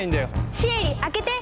シエリ開けて！